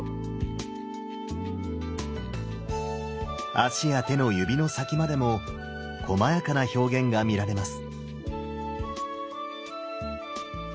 足や手の指の先までもこまやかな表現が見られます。